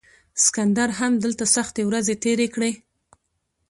سکندر هم دلته سختې ورځې تیرې کړې